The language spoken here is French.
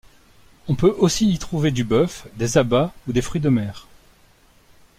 On peut aussi y trouver du bœuf, des abats ou des fruits de mer.